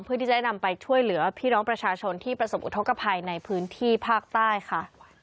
เพื่อที่จะได้นำไปช่วยเหลือพี่น้องประชาชนที่ประสบอุทธกภัยในพื้นที่ภาคใต้ค่ะ